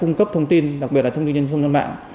cung cấp thông tin đặc biệt là thông tin trên sân mạng